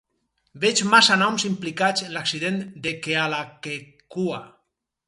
Veig massa noms implicats en l'accident de Kealakekua.